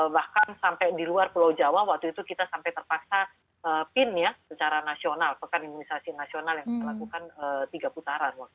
bahkan sampai diluar pulau jawa waktu itu kita sampai terpaksa pin secara nasional pekan imunisasi nasional yang kita lakukan tiga putaran waktu itu